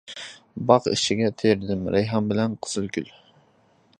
باغ ئىچىگە تېرىدىم، رەيھان بىلەن قىزىل گۈل.